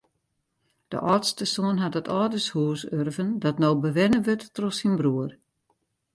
De âldste soan hat it âldershûs urven dat no bewenne wurdt troch syn broer.